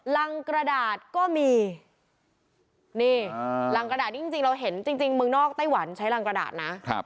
รังกระดาษก็มีนี่รังกระดาษนี้จริงเราเห็นจริงเมืองนอกไต้หวันใช้รังกระดาษนะ